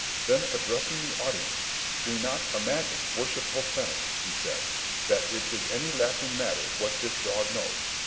Then, addressing the audience, "Do not imagine, worshipful senate," he said, "that it is any laughing matter what this dog knows.